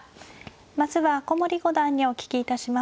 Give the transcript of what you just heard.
まずは古森五段にお聞きいたします。